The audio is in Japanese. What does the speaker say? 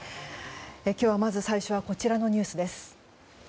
今日まず最初はこちらのニュースです。